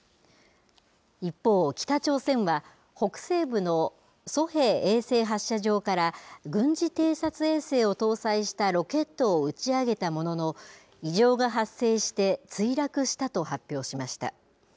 一方、北朝鮮は北西部のソヘ衛星発射場から、軍事偵察衛星を搭載したロケットを打ち上げたものの、異常が発生して墜落したと発表しました。